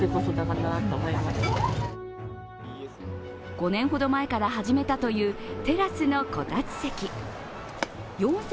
５年ほど前から始めたというテラスのこたつ席。